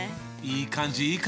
いい感じ！